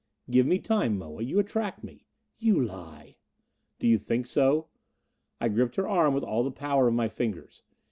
"Give me time, Moa. You attract me." "You lie!" "Do you think so?" I gripped her arm with all the power of my fingers.